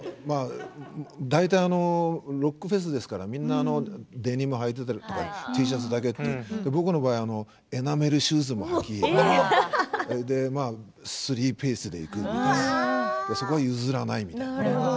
ロックフェスですから、みんなデニムをはいていたりＴシャツ、僕の場合はエナメルシューズを履きスリーピースでいくみたいなそこは譲らない。